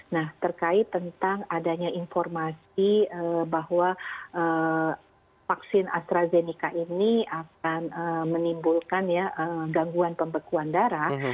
nah terkait tentang adanya informasi bahwa vaksin astrazeneca ini akan menimbulkan ya gangguan pembekuan darah